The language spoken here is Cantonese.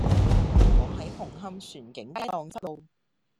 我喺紅磡船景街盪失路